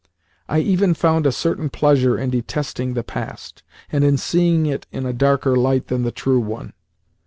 I even found a certain pleasure in detesting the past, and in seeing it in a darker light than the true one.